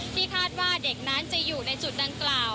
คาดว่าเด็กนั้นจะอยู่ในจุดดังกล่าว